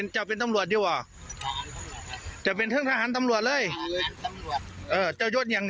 ได้ยินไหมว่าเป็นทหารตำรวจ